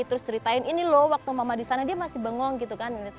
terus ceritain ini loh waktu mama di sana dia masih bengong gitu kan